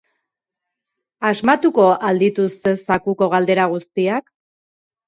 Asmatuko al dituzte zakuko galdera guztiak?